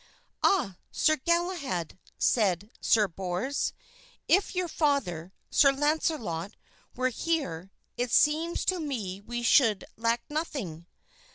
"Ah, Sir Galahad," said Sir Bors, "if your father, Sir Launcelot, were here, it seems to me we should lack nothing."